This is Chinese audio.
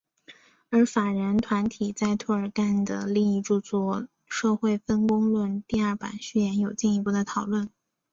而法人团体在涂尔干的另一着作社会分工论第二版序言有进一步的讨论。